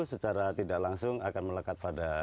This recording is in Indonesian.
secara tidak langsung akan melekat pada